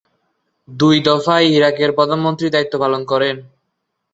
তিনি দুই দফায় ইরাকের প্রধানমন্ত্রীর দায়িত্ব পালন করেন।